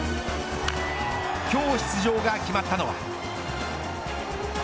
今日出場が決まったのは。